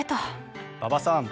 馬場さん